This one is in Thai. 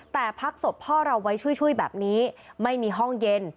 แต่พักศพพ่อเราไว้ช่วยแบบนี้ไม่มีห้องเย็น